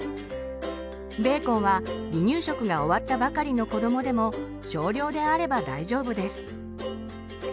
ベーコンは離乳食が終わったばかりの子どもでも少量であれば大丈夫です。